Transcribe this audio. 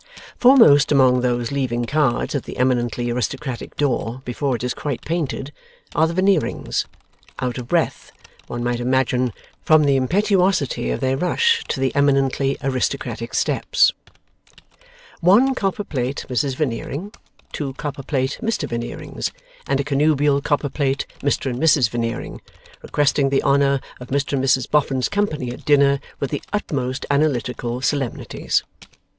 Foremost among those leaving cards at the eminently aristocratic door before it is quite painted, are the Veneerings: out of breath, one might imagine, from the impetuosity of their rush to the eminently aristocratic steps. One copper plate Mrs Veneering, two copper plate Mr Veneerings, and a connubial copper plate Mr and Mrs Veneering, requesting the honour of Mr and Mrs Boffin's company at dinner with the utmost Analytical solemnities.